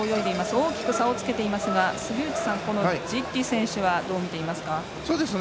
大きく差をつけていますが杉内さん、ジッリ選手はどう見ていますか？